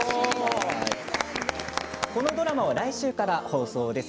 このドラマは来週から放送です。